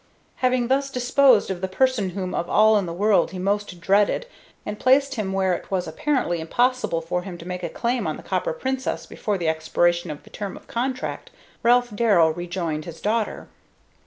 Having thus disposed of the person whom of all in the world he most dreaded, and placed him where it was apparently impossible for him to make a claim on the Copper Princess before the expiration of the term of contract, Ralph Darrell rejoined his daughter.